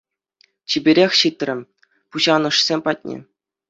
Чиперех ҫитрӗ пуҫанӑшсем патне.